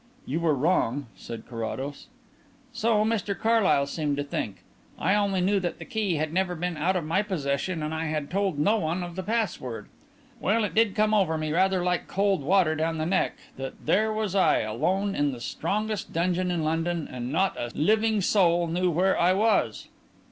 "You were wrong," said Carrados. "So Mr Carlyle seemed to think. I only knew that the key had never been out of my possession and I had told no one of the password. Well, it did come over me rather like cold water down the neck, that there was I alone in the strongest dungeon in London and not a living soul knew where I was."